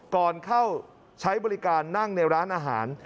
ก่อนเข้าใช้บริการนั่งในร้านอาหาร